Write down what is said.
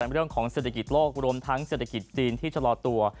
เรื่องของเศรษฐกิจโลกรวมทั้งเศรษฐกิจจีนที่ชะลอตัว